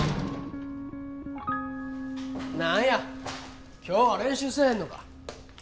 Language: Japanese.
なんや今日は練習せえへんのか。